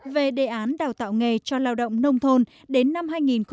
về đề án đào tạo nghề cho lao động nông thôn đến năm hai nghìn hai mươi